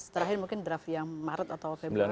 terakhir mungkin draft yang maret atau februari